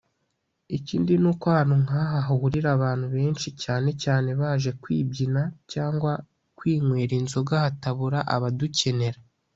ikindi n’uko ahantu nk’aha hahurira abantu benshi cyane cyane baje kwibyina cyangwa kwinywera inzoga hatabura abadukenera”